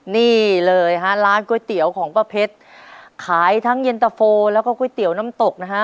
นี่เลยฮะร้านก๋วยเตี๋ยวของป้าเพชรขายทั้งเย็นตะโฟแล้วก็ก๋วยเตี๋ยวน้ำตกนะฮะ